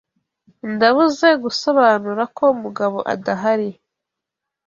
Ndabuze gusobanura ko Mugabo adahari.